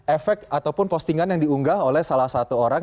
efek ataupun postingan yang diunggah oleh salah satu orang